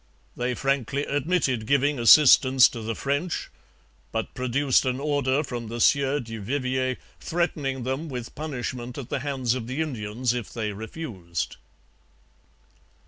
They frankly admitted giving assistance to the French, but produced an order from the Sieur du Vivier threatening them with punishment at the hands of the Indians if they refused.